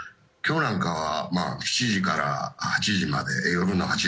今日なんかは７時から８時まで。